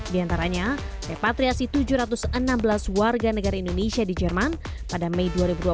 di antaranya repatriasi tujuh ratus enam belas warga negara indonesia di jerman pada mei dua ribu dua puluh